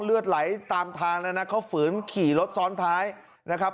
เลือดไหลตามทางแล้วนะเขาฝืนขี่รถซ้อนท้ายนะครับ